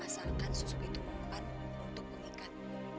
asalkan susu itu bukan untuk pemikat